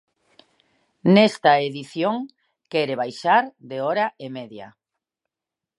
Nesta edición quere baixar de hora e media.